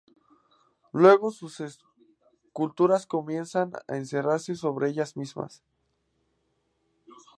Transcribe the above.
Luego sus esculturas comienzan a encerrarse sobre ellas mismas.